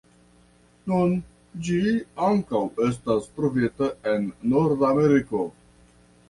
Nun ĝi ankaŭ estas trovita en Nordameriko.